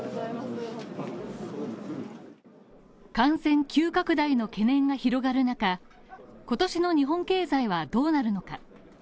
感染急拡大の懸念が広がる中、今年の日本経済はどうなるのか。